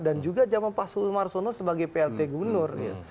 dan juga zamannya pak sumar sono sebagai plt gubernur